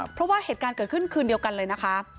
เพราะว่าเหตุการณ์เกิดขึ้นคืนเดียวกันเลยนะคะ